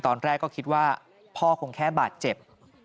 ตอนแรกก็คิดว่าพ่อคงแค่บาดเจ็บ